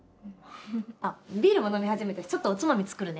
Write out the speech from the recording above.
あっビールも飲み始めたしちょっとおつまみ作るね。